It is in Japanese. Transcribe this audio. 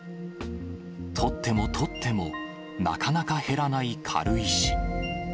取っても取ってもなかなか減らない軽石。